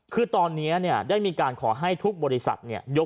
คือตอนนี้เนี่ยได้มีการขอให้ทุกบริษัทเนี่ย